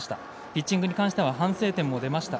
ピッチングに関しては反省点も出ました。